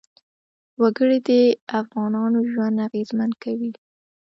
وګړي د افغانانو ژوند اغېزمن کوي.